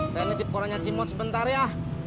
saya nitip korangnya cimo sebentar ya